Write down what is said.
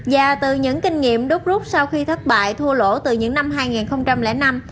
và từ những kinh nghiệm đốt rút sau khi thất bại thua lỗ từ những năm hai nghìn năm